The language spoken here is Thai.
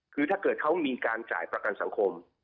คือถ้าเกิดเขามีการจ่ายประกันสังคม